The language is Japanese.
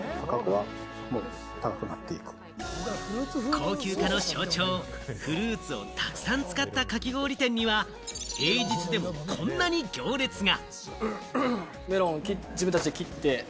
高級化の象徴、フルーツをたくさん使ったかき氷店には平日でもこんなに行列が。